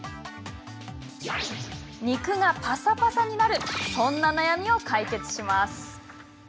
肉がパサパサになるそんな悩みを解決します。